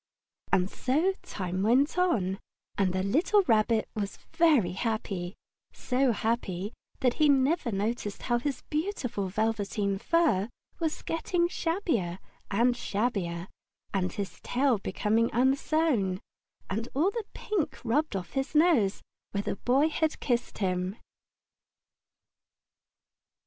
And so time went on, and the little Rabbit was very happy so happy that he never noticed how his beautiful velveteen fur was getting shabbier and shabbier, and his tail becoming unsewn, and all the pink rubbed off his nose where the Boy had kissed him.